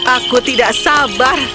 aku tidak sabar